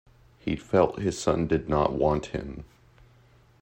He felt his son did not want him.